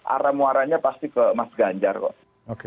arah muaranya pasti ke mas ganjar kok